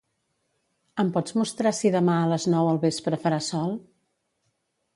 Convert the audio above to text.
Em pots mostrar si demà a les nou al vespre farà sol?